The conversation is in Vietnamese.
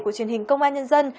của truyền hình công an nhân dân